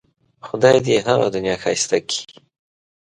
خدای دې یې هغه دنیا ښایسته کړي.